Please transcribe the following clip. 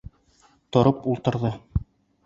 Тороп ултырҙы.